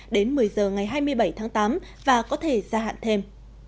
đến một mươi giờ ngày hai mươi bảy tháng tám và có thể gia hạn thêm